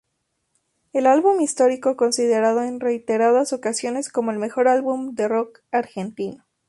Un álbum histórico considerado en reiteradas ocasiones como el mejor álbum del rock argentino.